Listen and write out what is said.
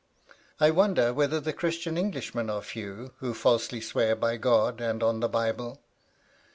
—I wonder whether the Christian Englishmen are few who falsely swear by God and on the Bible.